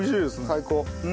最高。